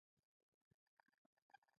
د مجرم نه نیول جرم زیاتوي.